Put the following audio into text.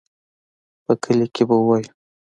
په کلي کښې به ووايو.